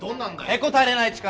へこたれない力。